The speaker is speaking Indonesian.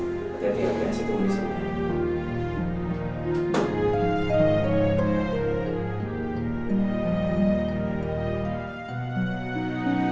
hati hati nanti saya tunggu disini